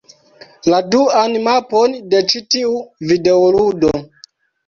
La duan mapon de ĉi tiu videoludo.